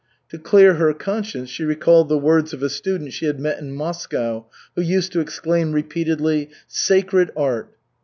To clear her conscience she recalled the words of a student she had met in Moscow who used to exclaim repeatedly, "Sacred Art!"